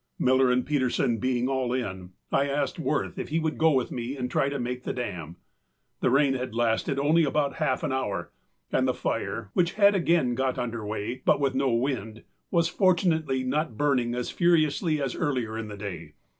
Miller and Peterson being all in, I asked Wirth if he would go with me and try to make the dam. The rain had lasted only about half an hour and the fire, which had again got under way, but with no wind, was fortunately not burning as furiously as earlier in the day.